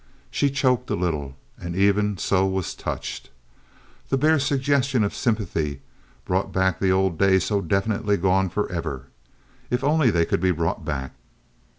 She choked a little—and even so was touched. The bare suggestion of sympathy brought back the old days so definitely gone forever. If only they could be brought back!